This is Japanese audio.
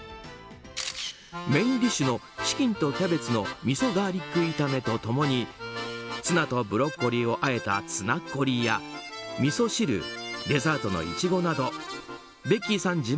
メインディッシュのチキンとキャベツみそガーリック炒めとともにツナとブロッコリーをあえたツナッコリーやみそ汁、デザートのイチゴなどベッキーさん